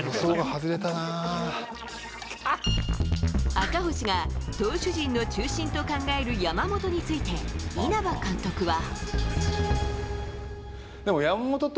赤星が投手陣の中心と考える山本について、稲葉監督は。